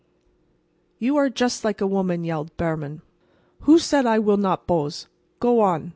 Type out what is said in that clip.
"You are just like a woman!" yelled Behrman. "Who said I will not bose? Go on.